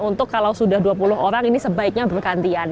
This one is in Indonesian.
untuk kalau sudah dua puluh orang ini sebaiknya bergantian